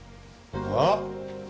あっ！